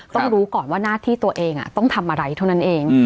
ต้องรู้ก่อนว่าหน้าที่ตัวเองต้องทำอะไรเท่านั้นเอง